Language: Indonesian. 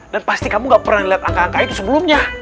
dan pasti kamu nggak pernah lihat angka angka itu sebelumnya